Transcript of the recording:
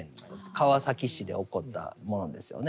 川崎市で起こったものですよね。